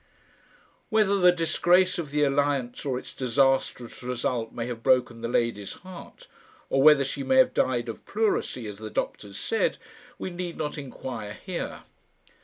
Whether the disgrace of the alliance or its disastrous result may have broken the lady's heart, or whether she may have died of a pleurisy, as the doctors said, we need not inquire here.